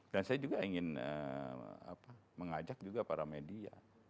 dan saya juga ingin mengajak juga para media